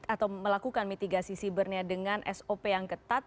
atau melakukan mitigasi sibernya dengan sop yang ketat